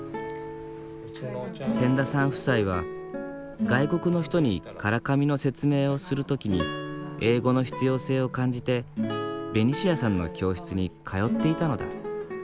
千田さん夫妻は外国の人に唐紙の説明をする時に英語の必要性を感じてベニシアさんの教室に通っていたのだ。